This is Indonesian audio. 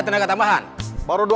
hal ini bumi mug tubuh